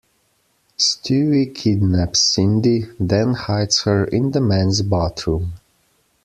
Stewie kidnaps Cindi, then hides her in the men's bathroom.